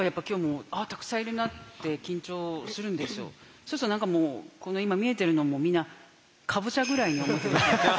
そうすると何かもうこの今見えてるのも皆かぼちゃぐらいに思ってます。